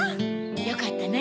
よかったね。